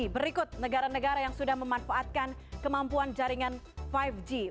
berikut negara negara yang sudah memanfaatkan kemampuan jaringan lima g